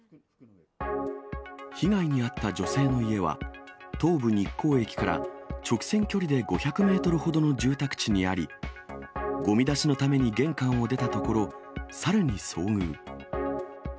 被害に遭った女性の家は、東武日光駅から直線距離で５００メートルほどの住宅地にあり、ごみ出しのために玄関を出たところ、猿に遭遇。